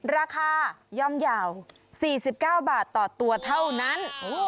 ราคาย่อมยาว๔๙บาทต่อตัวเท่านั้น